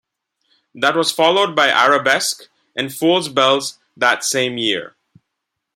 That was followed by "Arabesque" and "Fool's Bells" that same year.